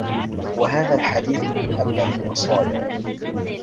وَهَذَا الْحَدِيثُ مِنْ أَبْلَغِ الْوَصَايَا